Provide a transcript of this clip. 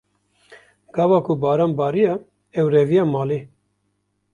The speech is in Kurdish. Gava ku baran bariya, ew reviyan malê.